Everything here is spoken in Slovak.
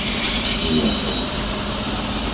Iliašovce